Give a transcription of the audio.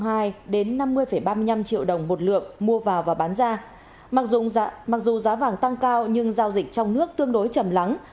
giá vàng được niêm yết ở mức năm mươi ba mươi năm triệu đồng một lượng mua vào và bán ra mặc dù giá vàng tăng cao nhưng giao dịch trong nước tương đối chầm lắng